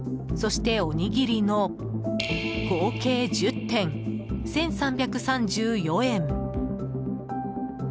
そして、おにぎりの合計１０点１３３４円。